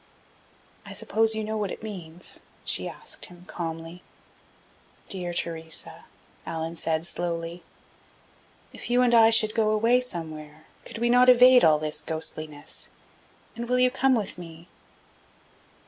"I suppose you know what it means?" she asked him, calmly. "Dear Theresa," Allan said, slowly, "if you and I should go away somewhere, could we not evade all this ghostliness? And will you come with me?"